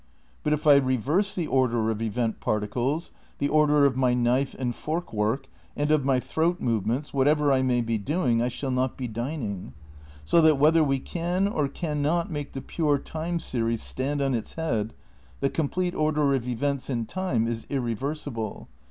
But if I reverse the order of event particles, the order of my knife and fork work, and of my throat movements, whatever I may be doing, I shall not be dining. So that, whether we can or can not make the pure time series stand on its head, the complete order of events in time is ir reversible.